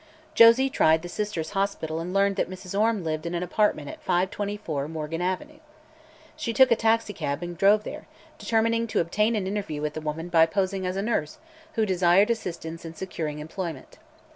Josie tried the Sisters' Hospital and learned that Mrs. Orme lived in an apartment at 524 Morgan Avenue. She took a taxicab and drove there, determining to obtain an interview with the woman by posing as a nurse who desired assistance in securing employment.